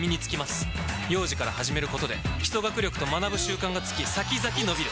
幼児から始めることで基礎学力と学ぶ習慣がつき先々のびる！